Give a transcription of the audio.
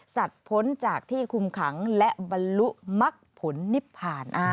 พ้นจากที่คุมขังและบรรลุมักผลนิพพาน